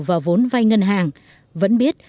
vào vốn vai ngân hàng vẫn biết